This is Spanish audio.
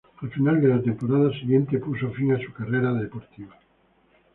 Al final de la temporada siguiente puso fin a su carrera deportiva.